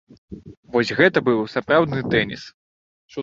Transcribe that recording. Вось гэта быў сапраўдны тэніс!